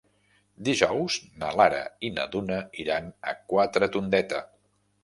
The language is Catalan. Dijous na Lara i na Duna iran a Quatretondeta.